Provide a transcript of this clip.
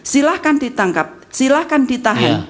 silahkan ditangkap silahkan ditahan